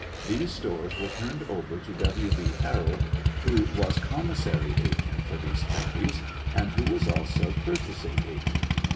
These stores were turned over to W. B. Harrold, who was commissary agent for those counties, and who was also purchasing agent.